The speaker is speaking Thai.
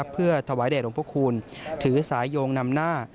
เพื่อถวายแด่หลวงพระคูณถือสายโยงนำหน้า